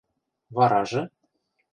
– Варажы?